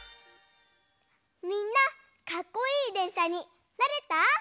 みんなかっこいいでんしゃになれた？